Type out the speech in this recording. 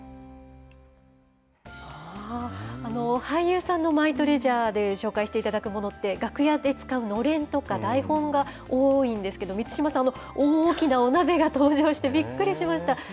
俳優さんのマイトレジャーで紹介していただくものって、楽屋で使うのれんとか、台本が多いんですけど、満島さんは大きなお鍋が登場してびっくりしました。